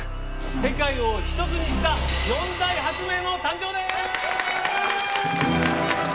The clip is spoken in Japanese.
世界を１つにした四大発明の誕生です！